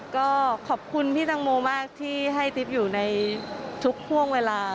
ก็ขอบคุณพี่ตังโมมากที่ให้ติ๊บอยู่ในทุกห่วงเวลา